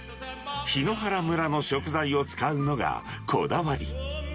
檜原村の食材を使うのがこだわり。